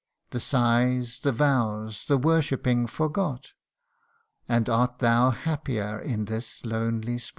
The sighs, the vows, the worshipping forgot ? And art thou happier in this lonely spot